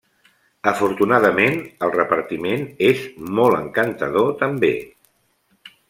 Afortunadament, el repartiment és molt encantador també.